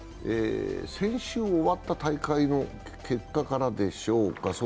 先週終わった大会の結果からです。